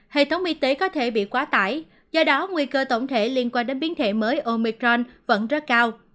hệ thống y tế có thể bị quá tải do đó nguy cơ tổng thể liên quan đến biến thể mới omicron vẫn rất cao